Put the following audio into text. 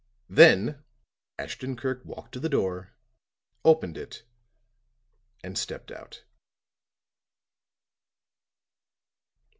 Then Ashton Kirk walked to the door, opened it and stepped out.